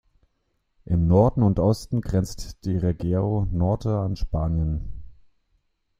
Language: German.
Im Norden und Osten grenzt die Região Norte an Spanien.